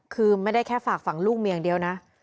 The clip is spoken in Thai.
คือไม่ได้แค่ฝากฝั่งลูกเมียอย่างเดียวนะ